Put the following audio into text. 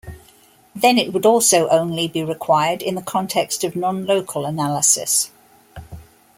Then it would also usually only be required in the context of nonlocal analysis.